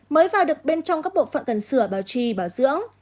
mới vào được bên trong các bộ phận cần sửa bảo trì bảo dưỡng